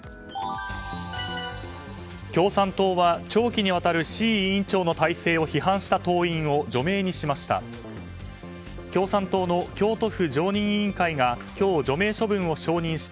共産党は長期にわたる志位和夫委員長の体制を批判した党員を除名にしました。